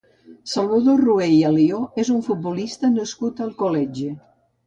Salvador Rué i Alió és un futbolista nascut a Alcoletge.